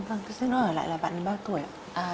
vâng thưa sĩ nó ở lại là bạn bao tuổi ạ